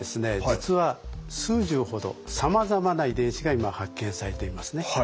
実は数十ほどさまざまな遺伝子が今発見されていますね。